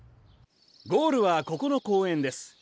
ゴールはここの公園です。